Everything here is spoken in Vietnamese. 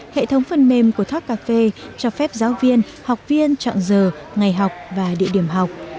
hệ thống phần mềm của talkcafe cho phép giáo viên học viên chọn giờ ngày học và địa điểm học